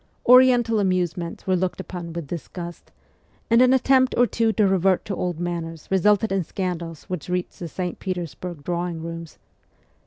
Oriental amusements were looked upon with disgust, and an attempt or two to revert to old manners resulted in scandals which reached the St. Petersburg drawing rooms.